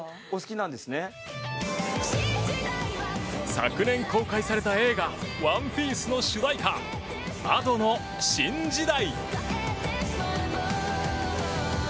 昨年公開された映画「ＯＮＥＰＩＥＣＥ」の主題歌Ａｄｏの「新時代」。